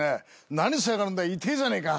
「何しやがるんだ痛えじゃねえか！」と。